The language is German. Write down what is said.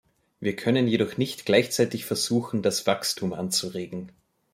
Wir können jedoch nicht gleichzeitig versuchen, das Wachstum anzuregen.